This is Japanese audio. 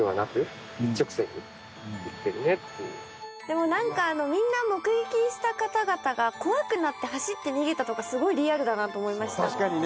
でも何かあのみんな目撃した方々が怖くなって走って逃げたとかすごいリアルだなと思いました。